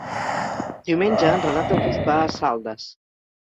Diumenge en Renat August va a Saldes.